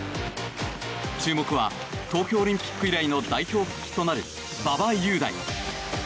注目は東京オリンピック以来の代表復帰となる馬場雄大。